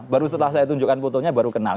baru setelah saya tunjukkan fotonya baru kenal